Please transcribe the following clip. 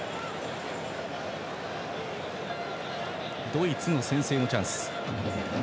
ドイツの先制のチャンス。